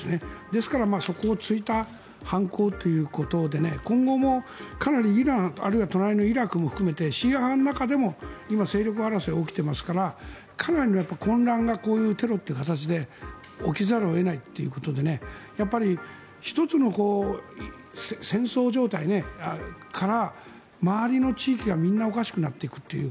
ですから、そこを突いた犯行ということで今後もかなりイランあるいは隣のイラクも含めてシーア派の中でも今、勢力争いが起きていますからかなり混乱がこういうテロという形で起きざるを得ないということで１つの戦争状態から周りの地域がみんなおかしくなっていくっていう。